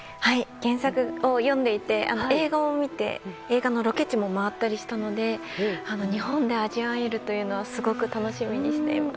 原作を読んでいて、映画を見て映画のロケ地も回ったりしたので日本で味わえるというのはすごく楽しみにしています。